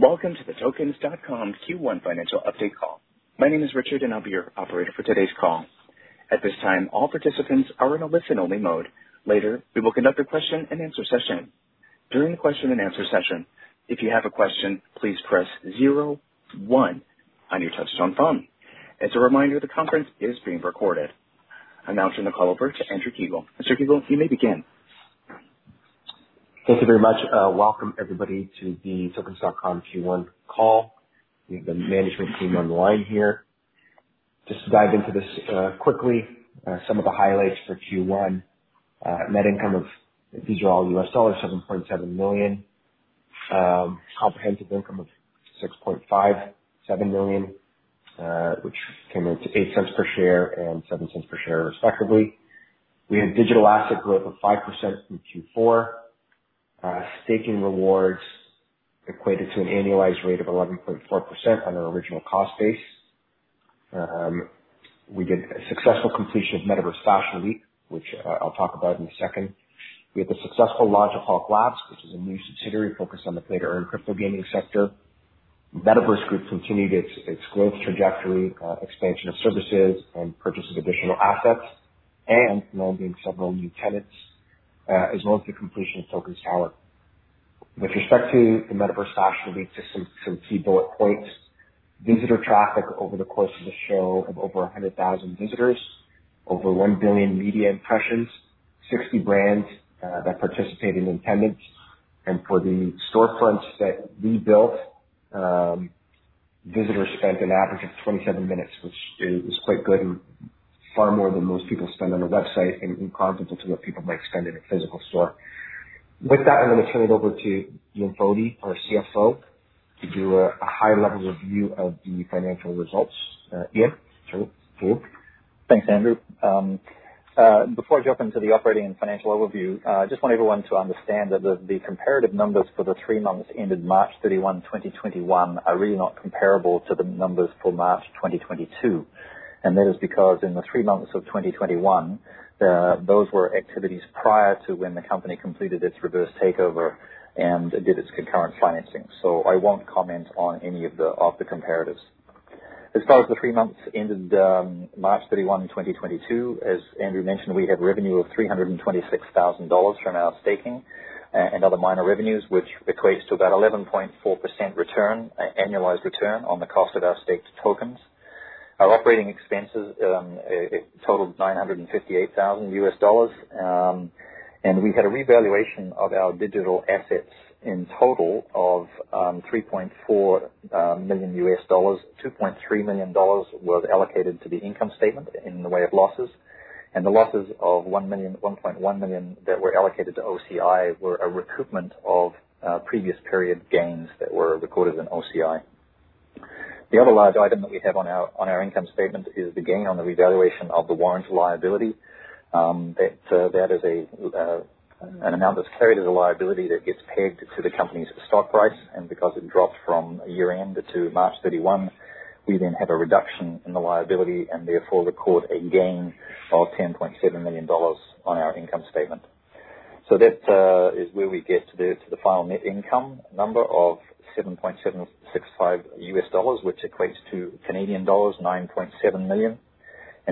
Welcome to the Tokens.com Q1 financial update call. My name is Richard and I'll be your operator for today's call. At this time, all participants are in a listen-only mode. Later, we will conduct a question-and-answer session. During the question-and-answer session, if you have a question, please press zero one on your touchtone phone. As a reminder, the conference is being recorded. I'll now turn the call over to Andrew Kiguel. Mr. Kiguel, you may begin. Thank you very much. Welcome everybody to the Tokens.com Q1 call. We have the management team on the line here. Just to dive into this quickly, some of the highlights for Q1. Net income of $7.7 million. These are all US dollars. Comprehensive income of $6.57 million, which came in at $0.08 per share and $0.07 per share respectively. We had digital asset growth of 5% from Q4. Staking rewards equated to an annualized rate of 11.4% on our original cost base. We did a successful completion of Metaverse Fashion Week, which I'll talk about in a second. We had the successful launch of Hulk Labs, which is a new subsidiary focused on the play-to-earn crypto gaming sector. Metaverse Group continued its growth trajectory, expansion of services and purchase of additional assets and onboarding several new tenants, as well as the completion of Tokens.com Tower. With respect to the Metaverse Fashion Week, just some key bullet points. Visitor traffic over the course of the show of over 100,000 visitors. Over 1 billion media impressions. 60 brands that participated in attendance. For the storefronts that we built, visitors spent an average of 27 minutes, which is quite good and far more than most people spend on a website and incomparable to what people might spend in a physical store. With that, I'm gonna turn it over to Ian Fodie, our CFO, to do a high level review of the financial results. Ian. Sure. Thanks, Andrew. Before I jump into the operating and financial overview, I just want everyone to understand that the comparative numbers for the three months ended March 31, 2021 are really not comparable to the numbers for March 2022. That is because in the three months of 2021, those were activities prior to when the company completed its reverse takeover and did its concurrent financing. I won't comment on any of the comparatives. As far as the three months ended March 31, 2022, as Andrew mentioned, we have revenue of $326,000 from our staking and other minor revenues, which equates to about 11.4% return, annualized return on the cost of our staked tokens. Our operating expenses totaled $958,000. We had a revaluation of our digital assets in total of $3.4 million. $2.3 million was allocated to the income statement in the way of losses. The losses of 1.1 million that were allocated to OCI were a recoupment of previous period gains that were recorded in OCI. The other large item that we have on our income statement is the gain on the revaluation of the warrants liability. That is an amount that's carried as a liability that gets pegged to the company's stock price. Because it dropped from year-end to March 31, we then had a reduction in the liability and therefore recorded a gain of $10.7 million on our income statement. That is where we get to the final net income number of $7.765 million, which equates to Canadian dollars 9.7 million.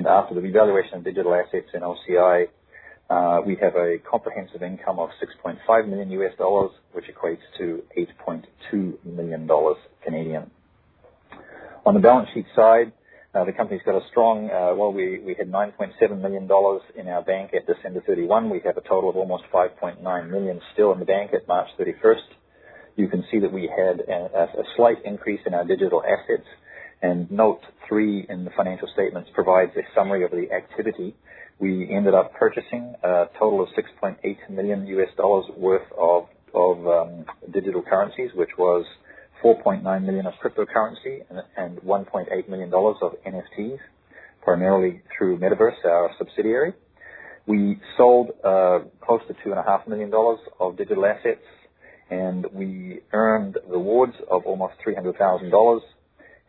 After the revaluation of digital assets in OCI, we have a comprehensive income of $6.5 million, which equates to 8.2 million Canadian dollars. On the balance sheet side, the company's got a strong balance sheet. Well, we had $9.7 million in our bank at December 31. We have a total of almost $5.9 million still in the bank at March 31. You can see that we had a slight increase in our digital assets. Note three in the financial statements provides a summary of the activity. We ended up purchasing a total of $6.8 million worth of digital currencies, which was $4.9 million of cryptocurrency and $1.8 million of NFTs, primarily through Metaverse, our subsidiary. We sold close to $2.5 million of digital assets, and we earned rewards of almost $300,000.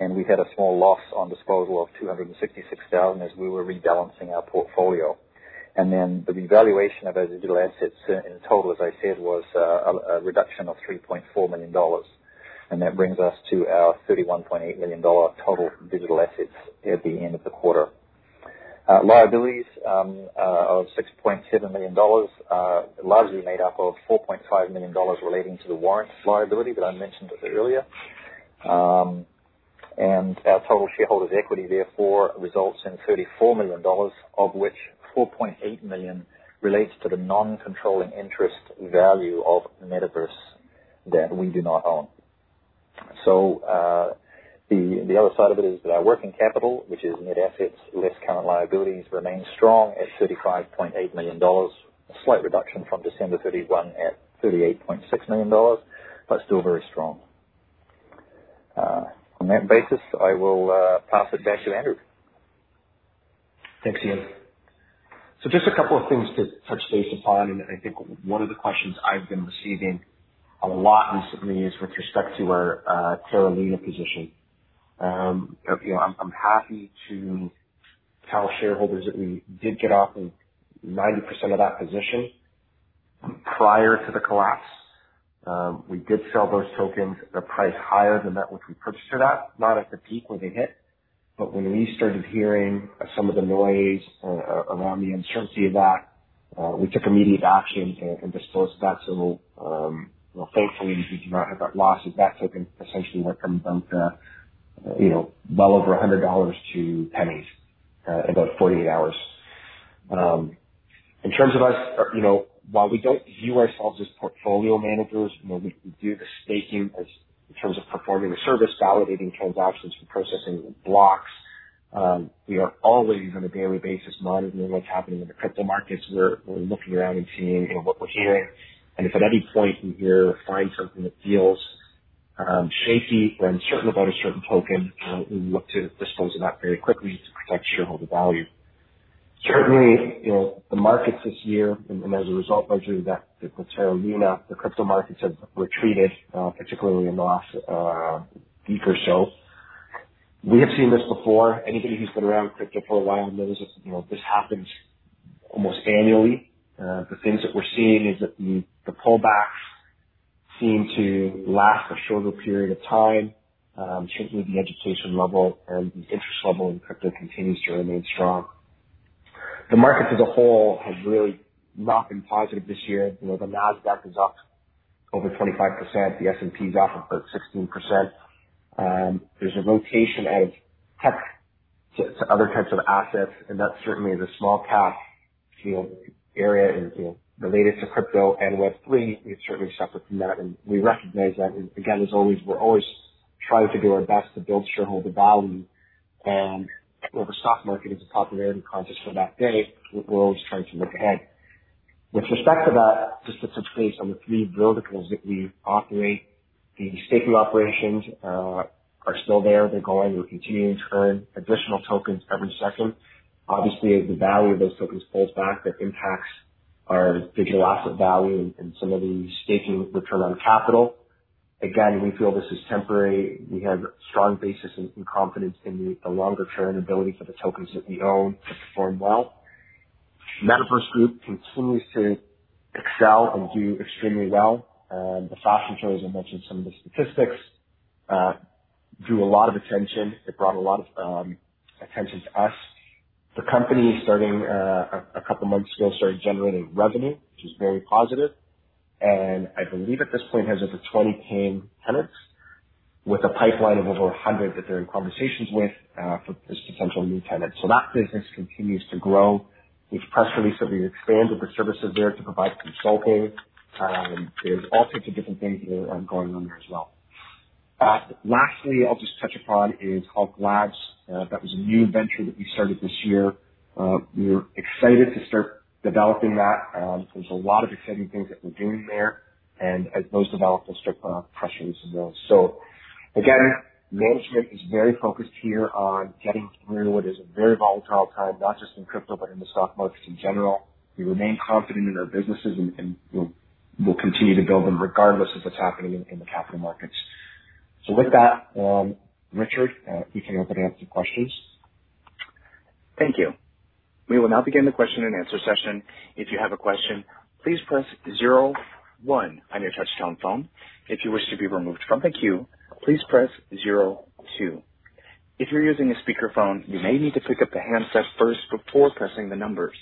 We had a small loss on disposal of $266,000 as we were rebalancing our portfolio. Then the revaluation of our digital assets in total, as I said, was a reduction of $3.4 million. That brings us to our $31.8 million total digital assets at the end of the quarter. Liabilities are $6.7 million, largely made up of $4.5 million relating to the warrants liability that I mentioned a bit earlier. Our total shareholders' equity therefore results in $34 million, of which $4.8 million relates to the non-controlling interest value of Metaverse that we do not own. The other side of it is that our working capital, which is net assets less current liabilities, remains strong at $35.8 million. A slight reduction from December 31 at $38.6 million, but still very strong. On that basis, I will pass it back to Andrew. Thanks, Ian. Just a couple of things to touch base upon. I think one of the questions I've been receiving a lot recently is with respect to our Terra Luna position. You know, I'm happy to tell shareholders that we did get out of 90% of that position prior to the collapse. We did sell those tokens at a price higher than that which we purchased it at, not at the peak where they hit. When we started hearing some of the noise around the uncertainty of that, we took immediate action and disposed of that. Well, thankfully, we did not have that loss on that token. It essentially went from, you know, well over $100 to pennies in about 48 hours. In terms of us, you know, while we don't view ourselves as portfolio managers, you know, we do the staking as in terms of performing a service, validating transactions for processing blocks. We are always on a daily basis monitoring what's happening in the crypto markets. We're looking around and seeing, you know, what we're hearing. If at any point we hear or find something that feels shaky or uncertain about a certain token, we look to dispose of that very quickly to protect shareholder value. Certainly, you know, the markets this year and as a result largely of that, the Terra Luna, the crypto markets have retreated, particularly in the last week or so. We have seen this before. Anybody who's been around crypto for a while knows this, you know, this happens almost annually. The things that we're seeing is that the pullbacks seem to last a shorter period of time, certainly the education level and the interest level in crypto continues to remain strong. The market as a whole has really not been positive this year. You know, the Nasdaq is up over 25%. The S&P is up about 16%. There's a rotation out of tech to other types of assets, and that certainly is a small cap, you know, area and, you know, related to crypto. Web3 is certainly separate from that. We recognize that. Again, as always, we're always trying to do our best to build shareholder value. While the stock market is a popularity contest for that day, we're always trying to look ahead. With respect to that, just to touch base on the three verticals that we operate. The staking operations are still there. They're going. We're continuing to earn additional tokens every second. Obviously, if the value of those tokens pulls back, that impacts our digital asset value and some of the staking return on capital. Again, we feel this is temporary. We have strong basis and confidence in the longer-term ability for the tokens that we own to perform well. Metaverse Group continues to excel and do extremely well. The fashion show, as I mentioned, some of the statistics drew a lot of attention. It brought a lot of attention to us. The company, a couple months ago, started generating revenue, which is very positive, and I believe at this point has over 20 paying tenants with a pipeline of over 100 that they're in conversations with for as potential new tenants. That business continues to grow. We've press released that we expanded the services there to provide consulting. There's all sorts of different things that are going on there as well. Lastly, I'll just touch upon Hulk Labs. That was a new venture that we started this year. We're excited to start developing that. There's a lot of exciting things that we're doing there. As those develop, we'll start putting out press releases on those. Again, management is very focused here on getting through what is a very volatile time, not just in crypto, but in the stock market in general. We remain confident in our businesses and we'll continue to build them regardless of what's happening in the capital markets. With that, Richard, we can open it up to questions. Thank you. We will now begin the question-and-answer session. If you have a question, please press zero one on your touchtone phone. If you wish to be removed from the queue, please press zero two. If you're using a speakerphone, you may need to pick up the handset first before pressing the numbers.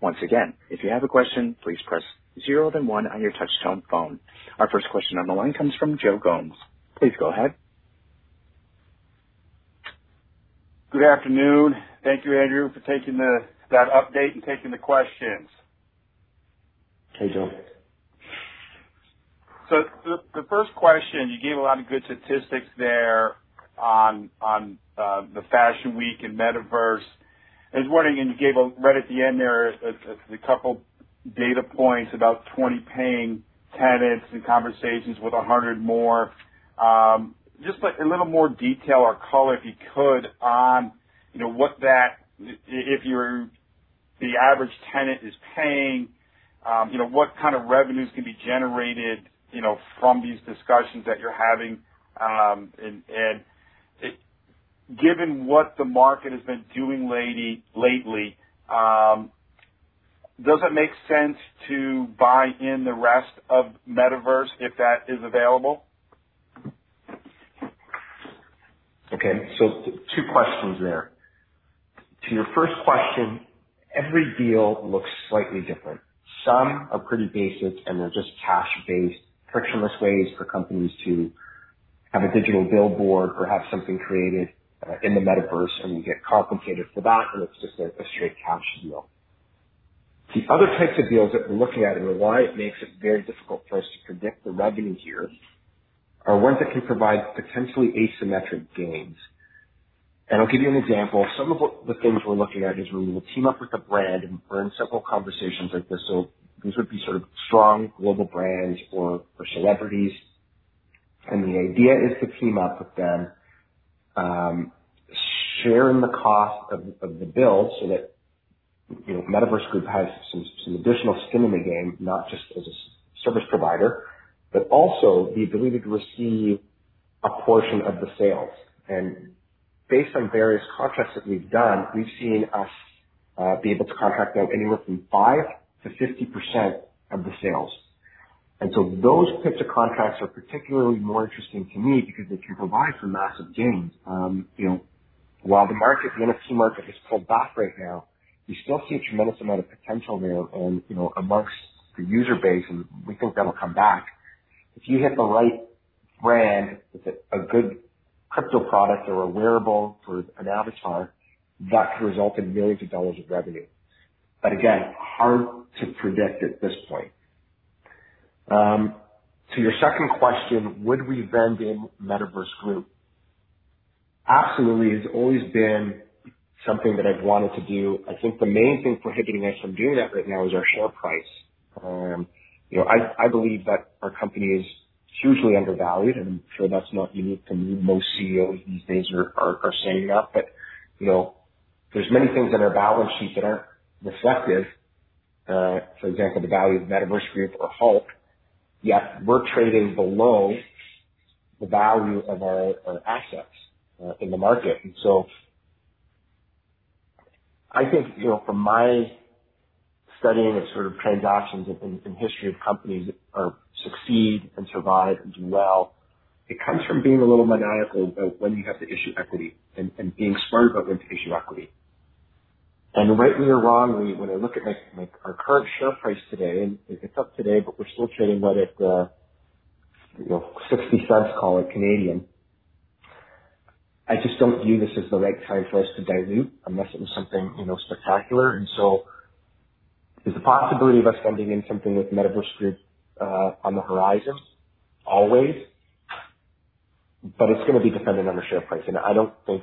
Once again, if you have a question, please press zero then one on your touchtone phone. Our first question on the line comes from Joe Gomes. Please go ahead. Good afternoon. Thank you, Andrew, for taking that update and taking the questions. Hey, Joe. The first question, you gave a lot of good statistics there on the Fashion Week and Metaverse. I was wondering, and you gave right at the end there a couple data points about 20 paying tenants and conversations with 100 more. Just like a little more detail or color, if you could, on you know what the average tenant is paying, you know what kind of revenues can be generated you know from these discussions that you're having. Given what the market has been doing lately, does it make sense to buy in the rest of Metaverse if that is available? Okay. Two questions there. To your first question, every deal looks slightly different. Some are pretty basic, and they're just cash-based, frictionless ways for companies to have a digital billboard or have something created, in the Metaverse, and we get compensated for that, and it's just a straight cash deal. The other types of deals that we're looking at and why it makes it very difficult for us to predict the revenue here are ones that can provide potentially asymmetric gains. I'll give you an example. Some of the things we're looking at is where we will team up with a brand, and we're in several conversations like this. These would be sort of strong global brands or celebrities. The idea is to team up with them, share in the cost of the build so that you know, Metaverse Group has some additional skin in the game, not just as a service provider, but also the ability to receive a portion of the sales. Based on various contracts that we've done, we've seen us be able to contract out anywhere from 5%-50% of the sales. Those types of contracts are particularly more interesting to me because they can provide for massive gains. You know, while the market, the NFT market has pulled back right now, you still see a tremendous amount of potential there and, you know, among the user base, and we think that'll come back. If you hit the right brand with a good crypto product or a wearable for an avatar, that could result in millions of dollars revenue. Again, hard to predict at this point. To your second question, would we invest in Metaverse Group? Absolutely. It's always been something that I've wanted to do. I think the main thing prohibiting us from doing that right now is our share price. You know, I believe that our company is hugely undervalued, and I'm sure that's not unique to me. Most CEOs these days are saying that. You know, there's many things on our balance sheet that aren't reflective. For example, the value of Metaverse Group or Hulk, yet we're trading below the value of our assets in the market. I think, you know, from my studying of sort of transactions in history of companies that succeed and survive and do well, it comes from being a little maniacal about when you have to issue equity and being smart about when to issue equity. Rightly or wrongly, when I look at our current share price today, and it's up today, but we're still trading at about 0.60, call it. I just don't view this as the right time for us to dilute unless it was something, you know, spectacular. There's a possibility of us vending in something with Metaverse Group on the horizon, always. It's gonna be dependent on the share price. I don't think,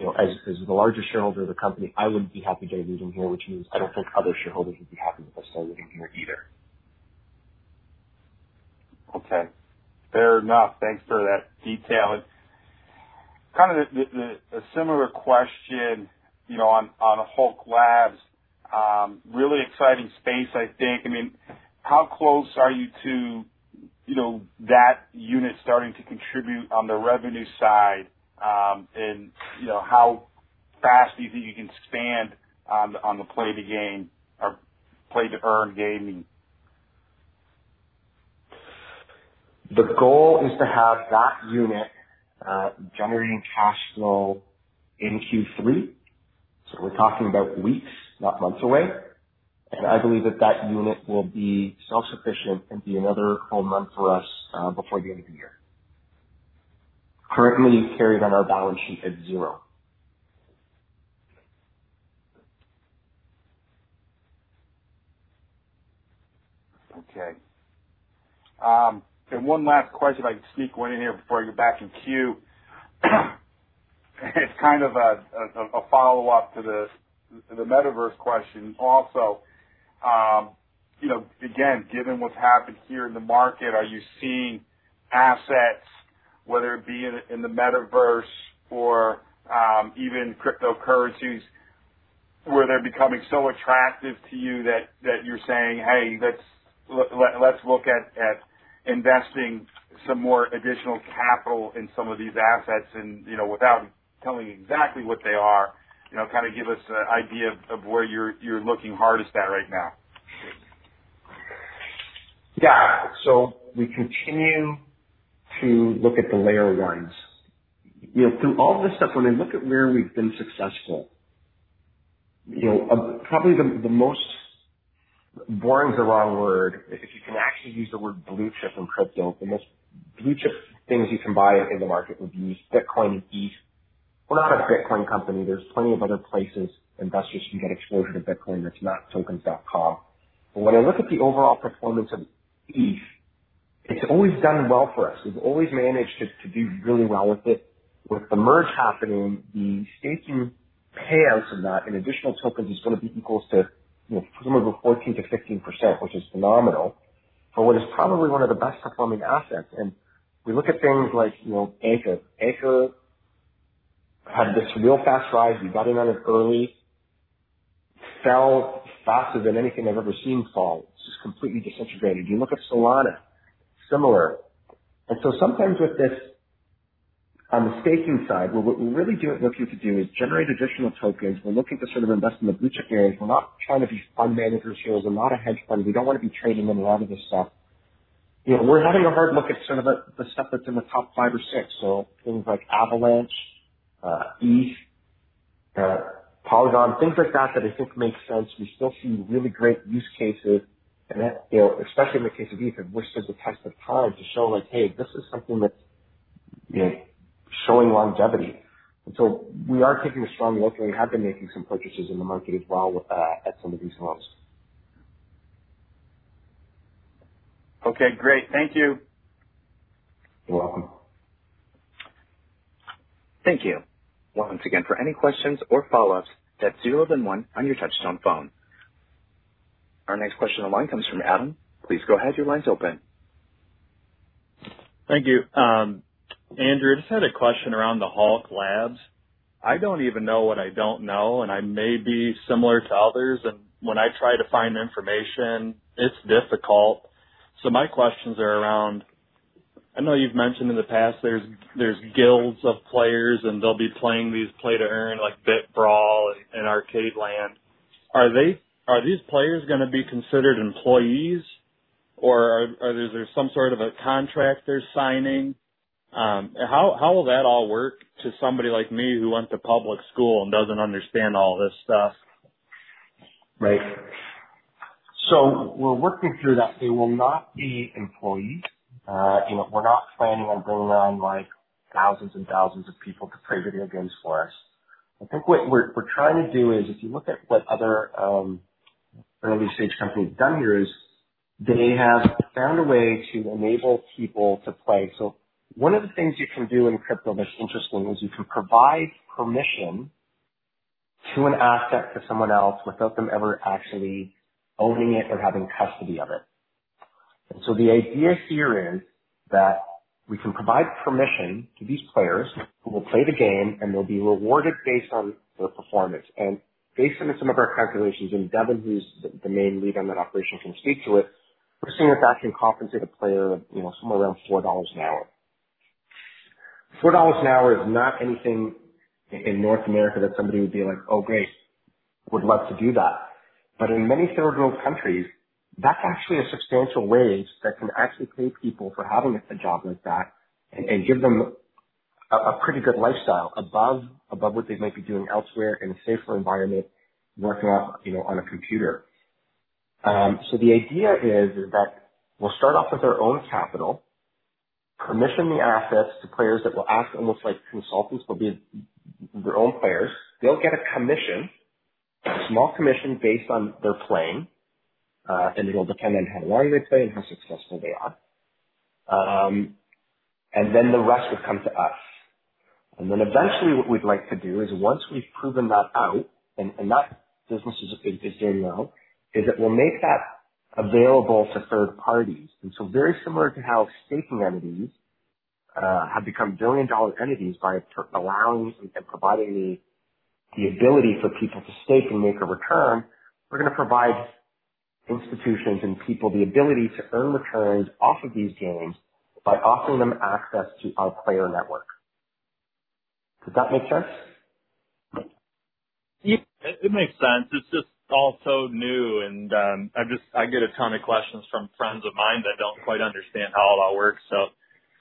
you know, as the largest shareholder of the company, I wouldn't be happy diluting here, which means I don't think other shareholders would be happy with us diluting here either. Okay. Fair enough. Thanks for that detail. Kind of a similar question, you know, on Hulk Labs. Really exciting space, I think. I mean, how close are you to, you know, that unit starting to contribute on the revenue side? You know, how fast do you think you can expand on the play-to-game or play-to-earn gaming? The goal is to have that unit generating cash flow in Q3. We're talking about weeks, not months away. I believe that unit will be self-sufficient and be another home run for us before the end of the year. Currently carried on our balance sheet at zero. Okay. One last question. If I could sneak one in here before I get back in queue. It's kind of a follow-up to the Metaverse question also. You know, again, given what's happened here in the market, are you seeing assets, whether it be in the Metaverse or even cryptocurrencies, where they're becoming so attractive to you that you're saying, "Hey, let's look at investing some more additional capital in some of these assets." You know, without telling me exactly what they are, you know, kind of give us an idea of where you're looking hardest at right now. Yeah. We continue to look at the Layer 1s. You know, through all of this stuff, when I look at where we've been successful, you know, probably the most. Boring is the wrong word. If you can actually use the word blue chip in crypto, the most blue chip things you can buy in the market would be Bitcoin and ETH. We're not a Bitcoin company. There's plenty of other places investors can get exposure to Bitcoin that's not Tokens.com. When I look at the overall performance of ETH, it's always done well for us. We've always managed to do really well with it. With the Merge happening, the staking payouts of that in additional tokens is gonna be equal to, you know, somewhere between 14%-15%, which is phenomenal for what is probably one of the best performing assets. We look at things like, you know, Anchor. Anchor had this real fast rise. We got in on it early. Fell faster than anything I've ever seen fall. Just completely disintegrated. You look at Solana, similar. Sometimes with this, on the staking side, what we're really looking to do is generate additional tokens. We're looking to sort of invest in the blue chip areas. We're not trying to be fund managers here. We're not a hedge fund. We don't want to be trading in a lot of this stuff. You know, we're having a hard look at some of the stuff that's in the top five or six. Things like Avalanche, ETH, Polygon, things like that I think make sense. We still see really great use cases. You know, especially in the case of ETH, it withstands the test of time to show like, hey, this is something that's, you know, showing longevity. We are taking a strong look, and we have been making some purchases in the market as well with at some of these levels. Okay, great. Thank you. You're welcome. Thank you. Once again, for any questions or follow-ups, that's zero then one on your touchtone phone. Our next question on the line comes from Adam. Please go ahead, your line's open. Thank you. Andrew, I just had a question around Hulk Labs. I don't even know what I don't know, and I may be similar to others. When I try to find information, it's difficult. My questions are around I know you've mentioned in the past there's guilds of players, and they'll be playing these play to earn like BitBrawl and Arcade Land. Are these players gonna be considered employees, or is there some sort of a contractor signing? How will that all work to somebody like me who went to public school and doesn't understand all this stuff? Right. We're working through that. They will not be employees. You know, we're not planning on bringing on, like, thousands and thousands of people to play video games for us. I think what we're trying to do is, if you look at what other early-stage companies have done here, they have found a way to enable people to play. One of the things you can do in crypto that's interesting is you can provide permission to an asset to someone else without them ever actually owning it or having custody of it. The idea here is that we can provide permission to these players who will play the game, and they'll be rewarded based on their performance. Based on some of our calculations, and Deven, who's the main lead on that operation, can speak to it. We're seeing if that can compensate a player, you know, somewhere around $4 an hour. $4 an hour is not anything in North America that somebody would be like, "Oh, great. Would love to do that." In many third world countries, that's actually a substantial wage that can actually pay people for having a job like that and give them a pretty good lifestyle above what they might be doing elsewhere in a safer environment, working on, you know, on a computer. The idea is that we'll start off with our own capital, permitting the assets to players that will act almost like consultants. They'll be their own players. They'll get a commission, a small commission based on their playing, and it'll depend on how long they play and how successful they are. The rest would come to us. Eventually what we'd like to do is once we've proven that out and that business is doing well, is that we'll make that available to third parties. Very similar to how staking entities have become billion-dollar entities by providing the ability for people to stake and make a return, we're gonna provide institutions and people the ability to earn returns off of these games by offering them access to our player network. Does that make sense? Yeah, it makes sense. It's just all so new and, I'm just, I get a ton of questions from friends of mine that don't quite understand how all that works.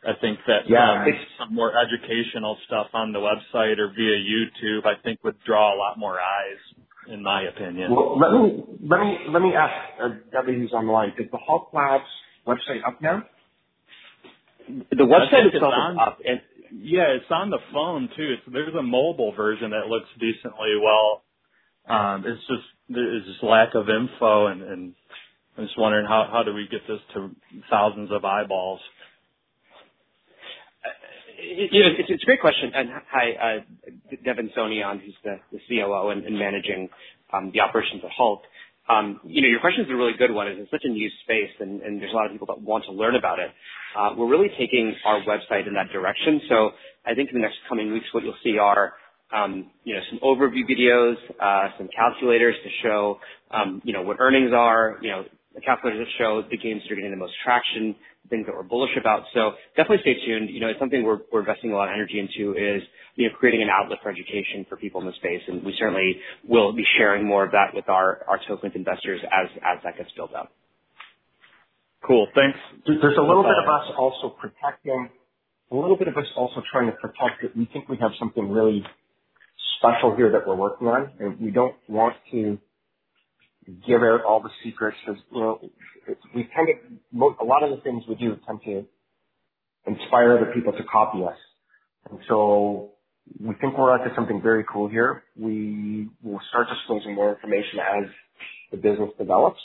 I think that. Yeah. Some more educational stuff on the website or via YouTube I think would draw a lot more eyes in my opinion. Well, let me ask Deven who's online. Is the Hulk Labs website up now? The website itself is up. Yeah, it's on the phone too. There's a mobile version that looks decently well. It's just, there's just lack of info and I'm just wondering how do we get this to thousands of eyeballs? It's a great question. Hi, Deven Soni, who's the COO and managing the operations of Hulk. You know, your question is a really good one, and it's such a new space and there's a lot of people that want to learn about it. We're really taking our website in that direction. I think in the next coming weeks, what you'll see are, you know, some overview videos, some calculators to show, you know, what earnings are. You know, the calculators that show the games that are getting the most traction, things that we're bullish about. Definitely stay tuned. You know, it's something we're investing a lot of energy into is, you know, creating an outlet for education for people in this space. We certainly will be sharing more of that with our token investors as that gets built out. Cool. Thanks. There's a little bit of us also trying to protect it. We think we have something really special here that we're working on, and we don't want to give out all the secrets because, you know, a lot of the things we do tend to inspire other people to copy us. We think we're onto something very cool here. We will start disclosing more information as the business develops.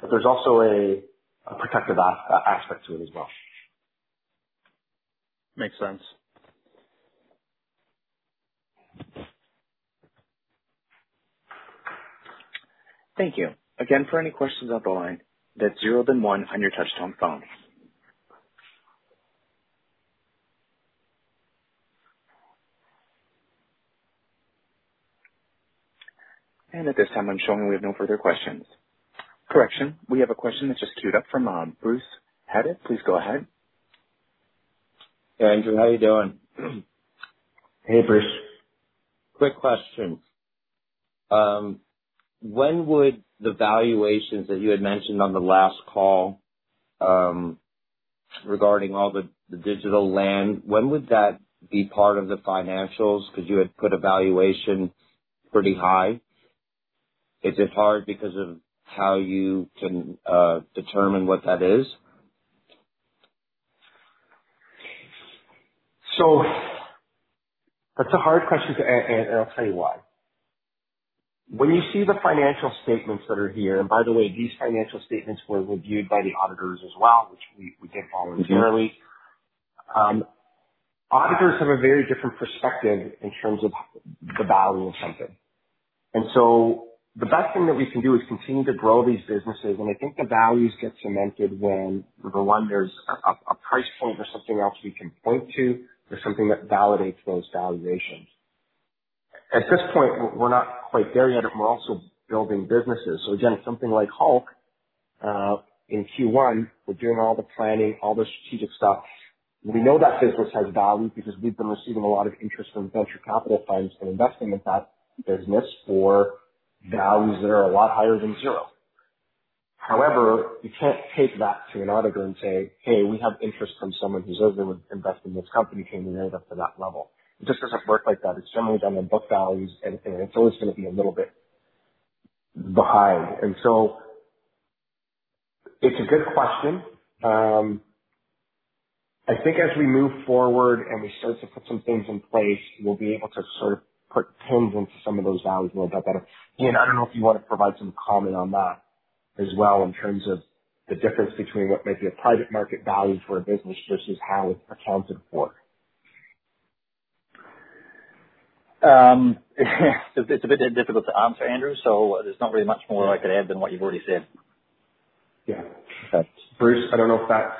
There's also a protective aspect to it as well. Makes sense. Thank you. Again, for any questions on the line, that's zero then one on your touchtone phone. At this time, I'm showing we have no further questions. Correction. We have a question that just queued up from Bruce Henn. Please go ahead. Hey, Andrew. How are you doing? Hey, Bruce. Quick question. When would the valuations that you had mentioned on the last call, regarding all the digital land, when would that be part of the financials? Because you had put a valuation pretty high. Is it hard because of how you can determine what that is? That's a hard question and I'll tell you why. When you see the financial statements that are here, and by the way, these financial statements were reviewed by the auditors as well, which we get voluntarily. Mm-hmm. Auditors have a very different perspective in terms of the value of something. The best thing that we can do is continue to grow these businesses. I think the values get cemented when, number one, there's a price point or something else we can point to or something that validates those valuations. At this point, we're not quite there yet, and we're also building businesses. Again, something like Hulk in Q1, we're doing all the planning, all the strategic stuff. We know that business has value because we've been receiving a lot of interest from venture capital funds in investing in that business for values that are a lot higher than zero. However, you can't take that to an auditor and say, "Hey, we have interest from someone who says they would invest in this company. Can you value it up to that level?" It just doesn't work like that. It's generally done on book values, and it's always gonna be a little bit behind. It's a good question. I think as we move forward and we start to put some things in place, we'll be able to sort of put pins into some of those values a little bit better. Ian, I don't know if you wanna provide some comment on that as well in terms of the difference between what might be a private market value for a business versus how it's accounted for. It's a bit difficult to answer, Andrew, so there's not really much more I could add than what you've already said. Yeah. Okay. Bruce, I don't know if that's.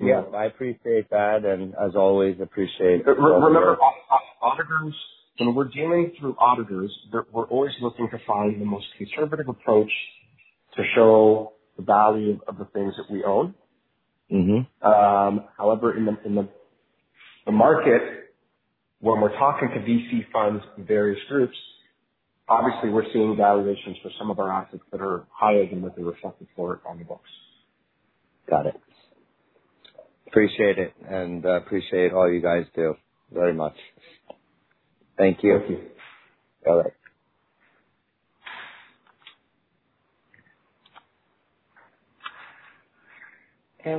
Yeah, I appreciate that and as always appreciate. Remember, auditors, when we're dealing through auditors, we're always looking to find the most conservative approach to show the value of the things that we own. Mm-hmm. However, in the market, when we're talking to VC funds and various groups, obviously we're seeing valuations for some of our assets that are higher than what they reflected for on the books. Got it. Appreciate it, and appreciate all you guys do very much. Thank you. Thank you. All right.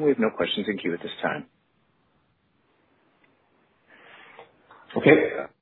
We have no questions in queue at this time. Okay. Yeah.